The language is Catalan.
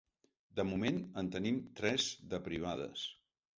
De moment, en tenim tres de privades.